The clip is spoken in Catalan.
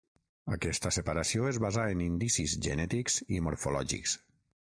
Aquesta separació es basà en indicis genètics i morfològics.